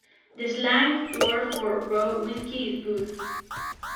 The slang word for raw whiskey is booze.